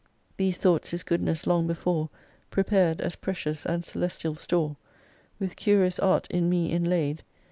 7 These thoughts His goodness long before Prepared as precious and celestial store : With curious art in me inlaid.